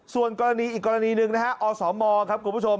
ส่วนอีกกรณีหนึ่งนะครับอสมครับคุณผู้ชม